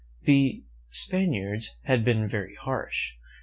The Spaniards had been very harsh.